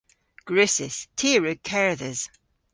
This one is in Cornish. Gwrussys. Ty a wrug kerdhes.